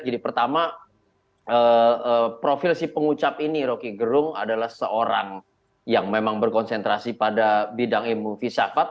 jadi pertama profil si pengucap ini rocky gerung adalah seorang yang memang berkonsentrasi pada bidang imovisafat